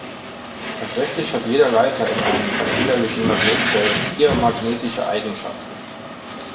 Tatsächlich hat jeder Leiter in einem veränderlichen Magnetfeld diamagnetische Eigenschaften.